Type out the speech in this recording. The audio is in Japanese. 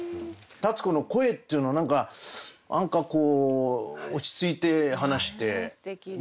立子の声っていうのは何かこう落ち着いて話してね。